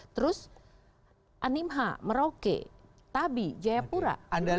terus animha merauke tabi jayapura